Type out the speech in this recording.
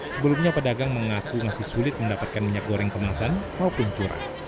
sebelumnya pedagang mengaku masih sulit mendapatkan minyak goreng kemasan maupun curah